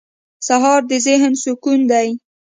سهار د ذهن سکون دی.